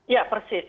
ya persis ya